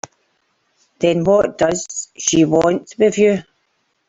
Then what does she want with you?